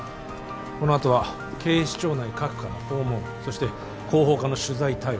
このあとは警視庁内各課の訪問そして広報課の取材対応